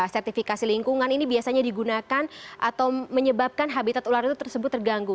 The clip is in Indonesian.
sertifikasi lingkungan ini biasanya digunakan atau menyebabkan habitat ular itu tersebut terganggu